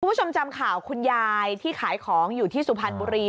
คุณผู้ชมจำข่าวคุณยายที่ขายของอยู่ที่สุพรรณบุรี